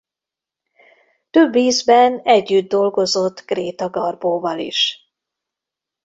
Több ízben együtt dolgozott Greta Garbo-val is.